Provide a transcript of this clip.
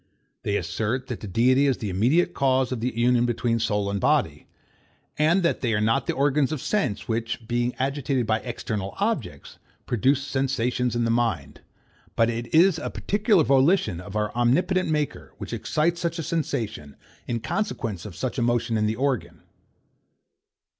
They assert that the Deity is the immediate cause of the union between soul and body; and that they are not the organs of sense, which, being agitated by external objects, produce sensations in the mind; but that it is a particular volition of our omnipotent Maker, which excites such a sensation, in consequence of such a motion in the organ.